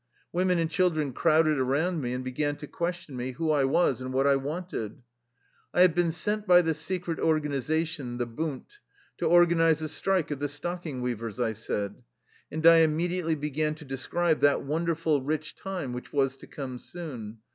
Women and children crowded around me and began to question me who I was and what I wanted. " I have been sent by the secret organization, the ^ Bund,' to organize a strike of the stocking weavers," I said. And I immediately began to describe that wonderful rich time which was to come soon.